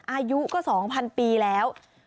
อายุก็๒๐๐๐ปีแล้ว